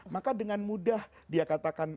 maka dengan mudah dia katakan